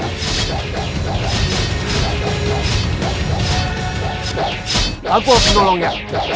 aku akan menolongnya